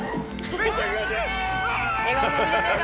めっちゃ気持ちいい！